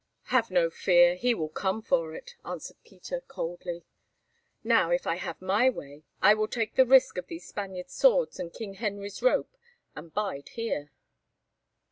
"Have no fear; he will come for it," answered Peter coldly. "Now, if I have my way, I will take the risk of these Spaniards' swords and King Henry's rope, and bide here."